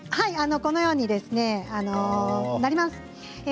このようになります。